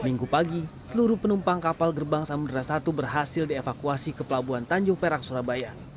minggu pagi seluruh penumpang kapal gerbang samudera satu berhasil dievakuasi ke pelabuhan tanjung perak surabaya